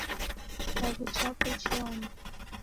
Chaghu chape cheoma.